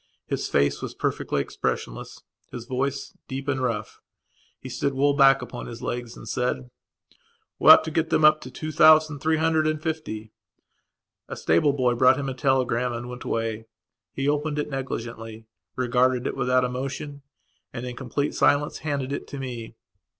His face was perfectly expressionless; his voice was deep and rough. He stood well back upon his legs and said: "We ought to get them up to two thousand three hundred and fifty." A stable boy brought him a telegram and went away. He opened it negligently, regarded it without emotion, and, in complete silence, handed it to me.